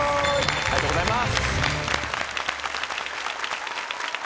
ありがとうございます！